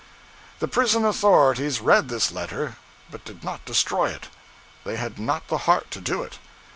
The prison authorities read this letter, but did not destroy it. They had not the heart to do it.